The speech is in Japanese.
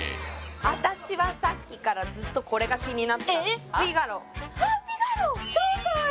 私はさっきからずっとこれが気になってたフィガロあっフィガロ！